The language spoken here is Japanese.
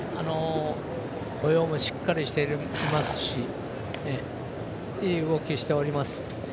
歩様もしっかりしていいますしいい動きしております。